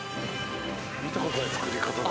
見たことない作り方だな。